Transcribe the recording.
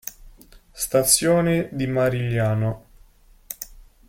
Stazione di Marigliano